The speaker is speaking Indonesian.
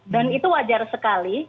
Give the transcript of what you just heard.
dan itu wajar sekali